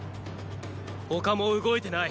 他も動いてない。